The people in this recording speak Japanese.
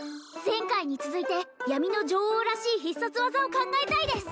前回に続いて闇の女王らしい必殺技を考えたいです